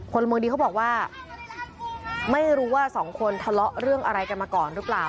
คนละเมืองดีเขาบอกว่าไม่รู้ว่าสองคนทะเลาะเรื่องอะไรกันมาก่อนหรือเปล่า